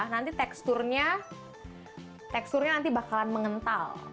nanti teksturnya bakalan mengental